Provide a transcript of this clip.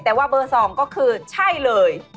แต่ว่าเบอร์๒ก็คือใช่เลย